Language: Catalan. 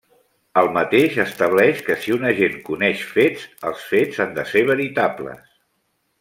El mateix estableix que si un agent coneix fets, els fets han de ser veritables.